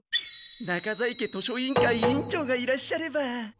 中在家図書委員会委員長がいらっしゃれば。